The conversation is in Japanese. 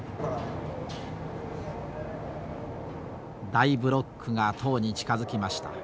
大ブロックが塔に近づきました。